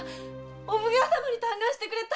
お奉行様に嘆願してくれた？